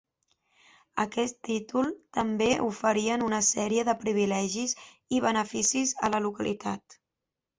Aquest títol també oferien una sèrie de privilegis i beneficis a la localitat.